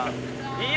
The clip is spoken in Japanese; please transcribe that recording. いい？